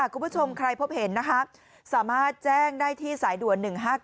คุณผู้ชมใครพบเห็นนะคะสามารถแจ้งได้ที่สายด่วน๑๕๙